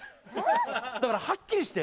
だからはっきりして。